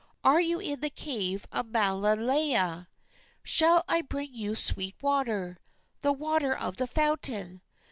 Are you in the cave of Malauea? Shall I bring you sweet water, The water of the fountain?